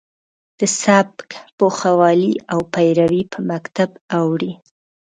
د سبک پوخوالی او پیروي په مکتب اوړي.